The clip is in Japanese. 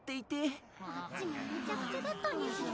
あっちもめちゃくちゃだったんだよ。